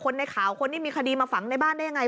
ในข่าวคนที่มีคดีมาฝังในบ้านได้ยังไง